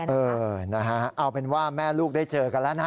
เออนะฮะเอาเป็นว่าแม่ลูกได้เจอกันแล้วนะฮะ